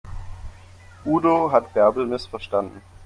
Udo hat Bärbel missverstanden.